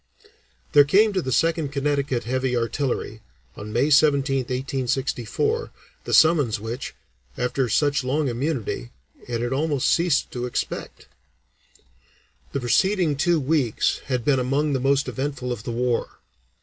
There came to the Second Connecticut Heavy Artillery, on May 17, 1864, the summons which, after such long immunity, it had almost ceased to expect. The preceding two weeks had been among the most eventful of the war.